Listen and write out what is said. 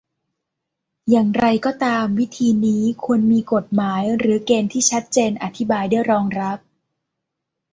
อย่างไรก็ตาม วิธีนี้ควรมีกฎหมายหรือเกณฑ์ที่ชัดเจนอธิบายได้รองรับ